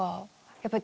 やっぱり。